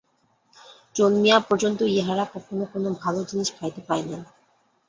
জন্মিয়া পর্যন্ত ইহারা কখনও কোনো ভালো জিনিস খাইতে পায় নাই।